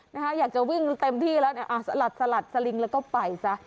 นะคะอยากจะวิ่งเต็มที่แล้วเนี่ยสลัดสลัดสลิงแล้วก็ไปซะ